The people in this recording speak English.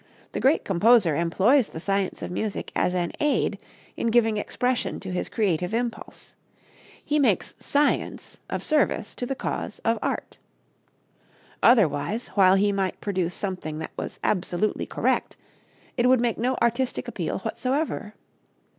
The great composer employs the science of music as an aid in giving expression to his creative impulse. He makes science of service to the cause of art. Otherwise, while he might produce something that was absolutely correct, it would make no artistic appeal whatsoever.